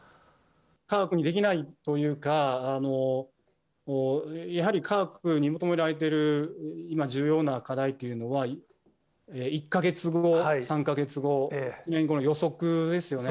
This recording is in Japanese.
科学にできないというか、やはり科学に求められている、今重要な課題というのは、１か月後、３か月後、１年後の予測ですよね。